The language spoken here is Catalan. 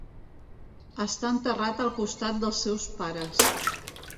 Està enterrat al costat dels seus pares.